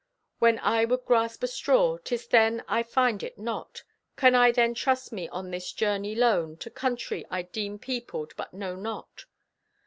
When I would grasp a straw, 'tis then I find it not. Can I then trust me on this journey lone To country I deem peopled, but know not?